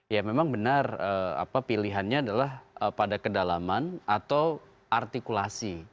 ya memang benar pilihannya adalah pada kedalaman atau artikulasi